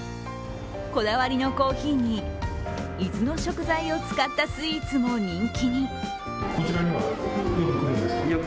こだわりのコーヒーに伊豆の食材を使ったスイーツも人気に。